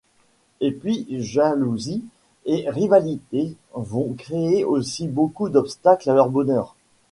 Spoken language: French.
Et puis jalousies et rivalités vont créer aussi beaucoup d'obstacles à leur bonheur.